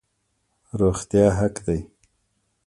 روغتیا حق دی